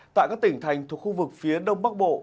tại các tỉnh thành thuộc khu vực phía đông bắc bộ